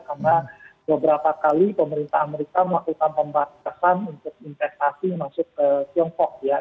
karena beberapa kali pemerintah amerika melakukan pembatasan untuk investasi masuk ke tiongkok ya